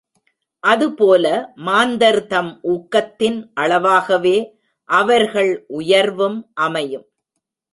அதுபோல மாந்தர்தம் ஊக்கத்தின் அளவாகவே அவர்கள் உயர்வும் அமையும்.